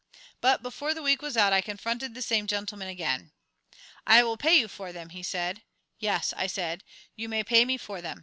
But before the week was out I confronted the same gentleman again. "I will pay you for them," he said. "Yes," I said, "you may pay me for them.